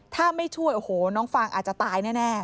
ถ้าไม่ช่วยโอ้โหน้องฟางอาจจะตายแน่